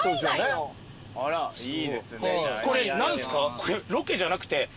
これ何すか？